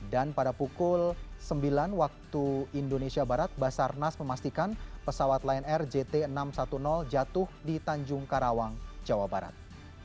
dan pada pukul sembilan waktu indonesia barat basarnas memastikan pesawat lion air jt enam ratus sepuluh jatuh di tanjung karawang jawa barat